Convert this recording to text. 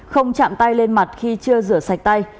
không chạm tay lên mặt khi chưa rửa sạch tay